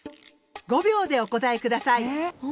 ５秒でお答えください。